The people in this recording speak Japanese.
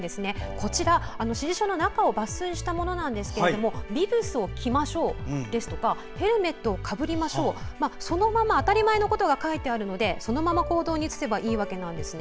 こちら指示書を抜粋したものですがビブスを着ましょうですとかヘルメットをかぶりましょうとか当たり前のことが書いてあるのでそのまま行動に移せばいいわけなんですね。